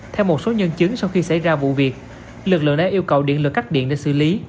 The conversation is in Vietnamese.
theo một số nhân chứng sau khi xảy ra vụ việc lực lượng đã yêu cầu điện lực cắt điện để xử lý